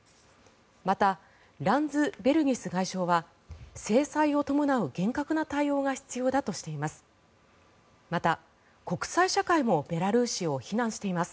また、ランズベルギス外相は制裁を伴う厳格な対応が必要だとしています。